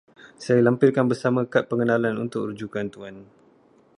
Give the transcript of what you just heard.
Saya lampirkan bersama kad pengenalan untuk rujukan Tuan.